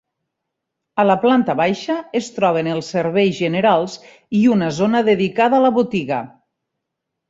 A la planta baixa es troben els serveis generals i una zona dedicada a botiga.